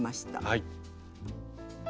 はい。